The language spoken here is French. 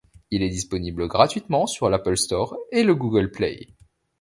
Il est disponible gratuitement sur l'Apple Store et le Google Play.